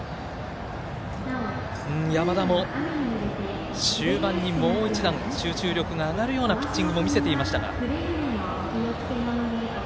山田も終盤にもう一段、集中力が上がるようなピッチングも見せていましたが。